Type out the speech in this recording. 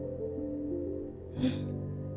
えっ？